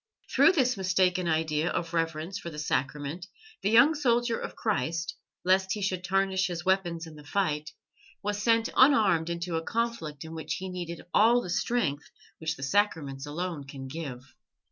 Through this mistaken idea of reverence for the Sacrament the young soldier of Christ, lest he should tarnish his weapons in the fight, was sent unarmed into a conflict in which he needed all the strength which the Sacraments alone can give.